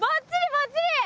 ばっちり。